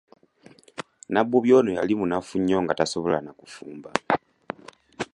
Nabbubi ono yali munafu nnyo nga tasobola na kufumba.